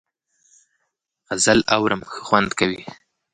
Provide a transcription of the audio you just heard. غزل اورم ښه خوند کوي .